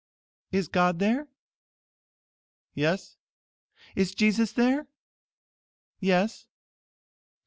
"Is God there?" "Yes." "Is Jesus there?" "Yes."